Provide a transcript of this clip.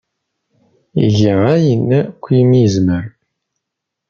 Iga ayen akk umi yezmer.